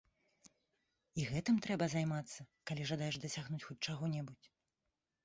І гэтым трэба займацца, калі жадаеш дасягнуць хоць чаго-небудзь.